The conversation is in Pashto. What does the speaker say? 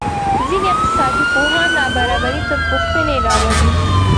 ځینې اقتصادپوهان نابرابري تر پوښتنې راولي.